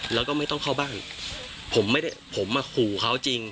แล้วก็ไม่ต้องเข้าบ้านผมอะขู่เขาจริง